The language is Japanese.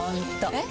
えっ？